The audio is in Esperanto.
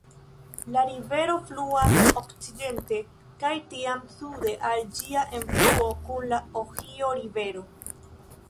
La rivero fluas okcidente kaj tiam sude al ĝia enfluo kun la Ohio-Rivero.